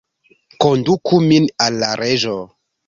Konduku min al la Reĝo!